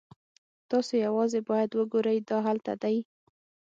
تاسو یوازې باید وګورئ دا هلته دی